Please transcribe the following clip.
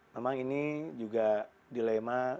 memang ini juga dilema